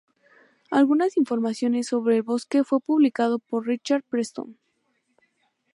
Algunas informaciones sobre el bosque fue publicado por Richard Preston.